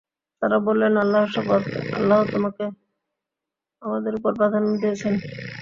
তারা বলল, আল্লাহর শপথ, আল্লাহ তোমাকে আমাদের উপর প্রাধান্য দিয়েছেন।